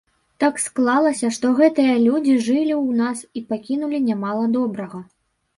Так склалася, што гэтыя людзі жылі ў нас і пакінулі нямала добрага.